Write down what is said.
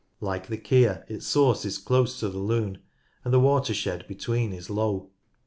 Like the Keer its source is close to the Lune, and the watershed between is low.